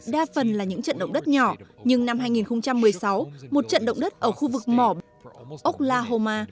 đa phần là những trận động đất nhỏ nhưng năm hai nghìn một mươi sáu một trận động đất ở khu vực mỏ oklahoma